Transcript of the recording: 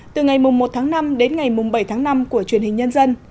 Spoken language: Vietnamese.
từ ngày một tháng năm đến ngày bảy tháng năm của truyền hình nhân dân